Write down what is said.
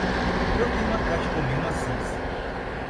Eu tenho uma caixa com mil maçãs